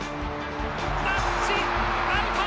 タッチアウト！